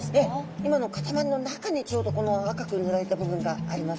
今の塊の中にちょうどこの赤く塗られた部分があります。